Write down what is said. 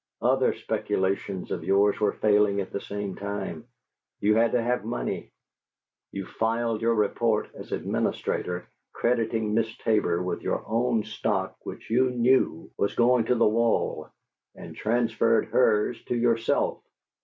Other speculations of yours were failing at the same time; you had to have money you filed your report as administrator, crediting Miss Tabor with your own stock which you knew was going to the wall, and transferred hers to yourself.